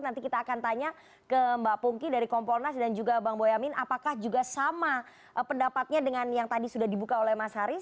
nanti kita akan tanya ke mbak pungki dari kompolnas dan juga bang boyamin apakah juga sama pendapatnya dengan yang tadi sudah dibuka oleh mas haris